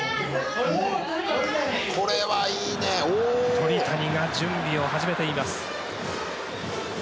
鳥谷が準備を始めています。